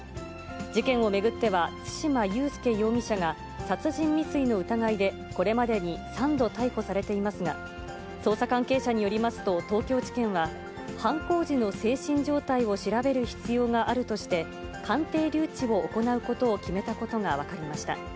事件を巡っては、対馬悠介容疑者が殺人未遂の疑いで、これまでに３度逮捕されていますが、捜査関係者によりますと、東京地検は、犯行時の精神状態を調べる必要があるとして、鑑定留置を行うことを決めたことが分かりました。